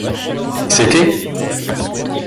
c'était?